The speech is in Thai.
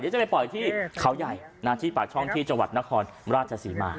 นี่จะไปปล่อยที่เขาใหญ่นาฬิปากช่องที่จังหวัดนครราชสีมา